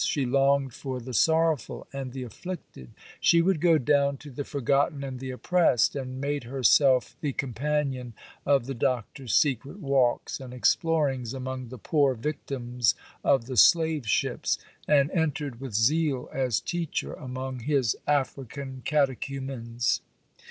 She longed for the sorrowful and the afflicted; she would go down to the forgotten and the oppressed, and made herself the companion of the Doctor's secret walks and explorings among the poor victims of the slave ships, and entered with zeal as teacher among his African catechumens.